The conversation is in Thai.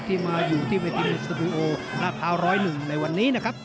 ที่มาอยู่ที่เวทีสตูโอลาดพร้าว๑๐๑ในวันนี้นะครับ